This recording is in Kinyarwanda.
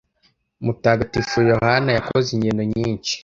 Mutagatifu Yohani yakoze ingendo nyinshi